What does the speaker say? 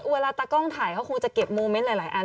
เวลาตากล้องถ่ายเขาคงจะเก็บโมเมนต์หลายอัน